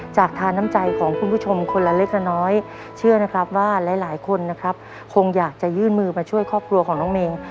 ทานน้ำใจของคุณผู้ชมคนละเล็กละน้อยเชื่อนะครับว่าหลายคนนะครับคงอยากจะยื่นมือมาช่วยครอบครัวของน้องเมย์